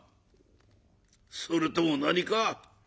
それとも何か？